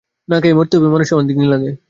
না খেয়ে মরতে মানুষের অনেকদিন লাগে।